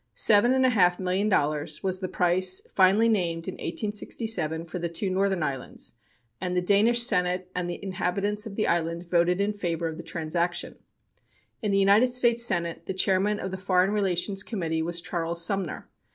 Seven and a half million dollars was the price finally named in 1867 for the two northern islands, and the Danish Senate and the inhabitants of the island voted in favor of the transaction. In the United States Senate the chairman of the Foreign Relations Committee was Charles Sumner.